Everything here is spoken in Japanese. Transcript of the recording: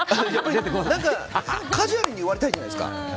カジュアルに言われたいじゃないですか。